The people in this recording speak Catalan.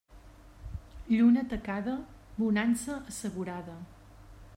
Lluna tacada, bonança assegurada.